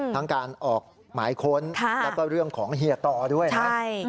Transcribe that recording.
ทั้งการออกหมายค้นแล้วก็เรื่องของเฮียตอด้วยนะ